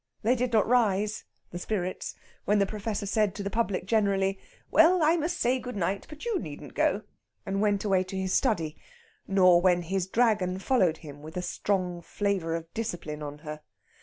They did not rise (the spirits) when the Professor said, to the public generally, "Well, I must say good night, but you needn't go," and went away to his study; nor when his Dragon followed him, with a strong flavour of discipline on her.